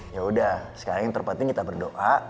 yaudah sekarang yang terpenting kita berdoa